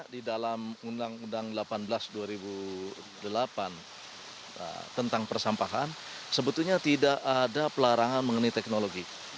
di dalam undang undang delapan belas dua ribu delapan tentang persampahan sebetulnya tidak ada pelarangan mengenai teknologi